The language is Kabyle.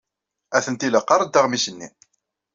Atenti la qqarent aɣmis-nni.